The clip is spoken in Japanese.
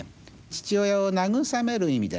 父親を慰める意味でね